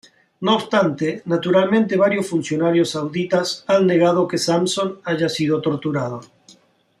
No obstante, naturalmente varios funcionarios sauditas han negado que Sampson haya sido torturado.